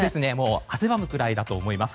汗ばむくらいだと思います。